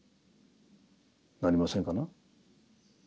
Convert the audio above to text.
なりませんかな。